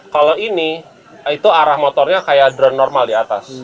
kalau ini arah motornya kaya normal drone di atas